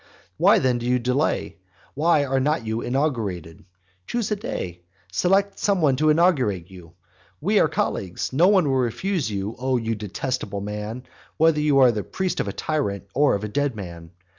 Why then do you delay? why are not you inaugurated? Choose a day; select some one to inaugurate you; we are colleagues; no one will refuse O you detestable man, whether you are the priest of a tyrant, or of a dead man!